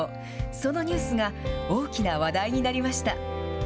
そのニュースが大きな話題になりました。